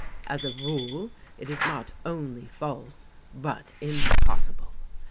As a rule it is not only false, but impossible.